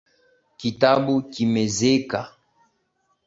Kitabu kimezeeka